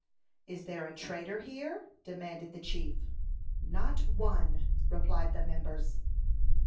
"Is there a traitor here?" demanded the chief. "Not one," replied the members.